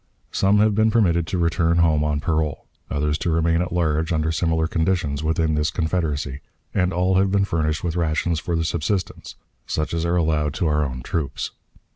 Some have been permitted to return home on parole, others to remain at large, under similar conditions, within this Confederacy, and all have been furnished with rations for their subsistence, such as are allowed to our own troops.